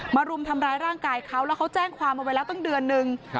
รุมทำร้ายร่างกายเขาแล้วเขาแจ้งความเอาไว้แล้วตั้งเดือนนึง